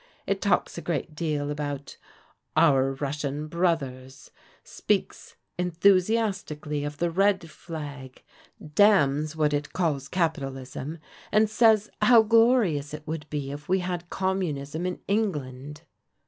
It talks a great deal about * our Russian brothers,' speaks enthusiastically of the Red Flag, damns what it calls Capitalism, and says how glorious it would be if we had communism in England."